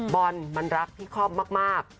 บอลมันรักพี่คอมมาก